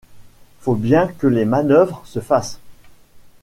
Faut bien que les manœuvres se fassent...